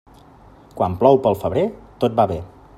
Quan plou pel febrer, tot va bé.